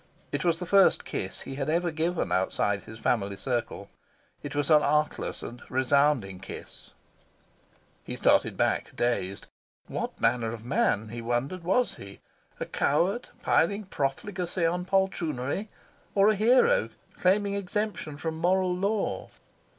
It was the first kiss he had ever given outside his family circle. It was an artless and a resounding kiss. He started back, dazed. What manner of man, he wondered, was he? A coward, piling profligacy on poltroonery? Or a hero, claiming exemption from moral law?